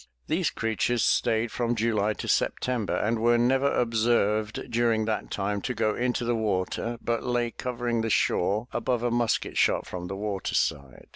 These creatures stayed from July to September and were never observed during that time to go into the water but lay covering the shore above a musket shot from the water side.